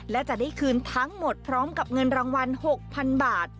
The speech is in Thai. และจะได้คืนทั้งหมดพร้อมกับเงินรางวัล๖๐๐๐บาท